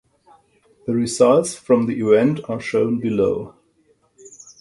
The results from the event are shown below.